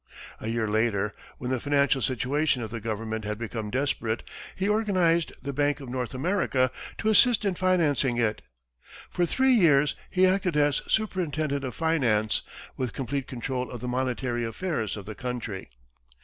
A year later, when the financial situation of the government had become desperate, he organized the Bank of North America to assist in financing it. For three years, he acted as superintendent of finance, with complete control of the monetary affairs of the country.